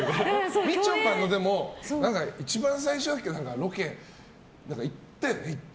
みちょぱも一番最初というかロケに行ったよね。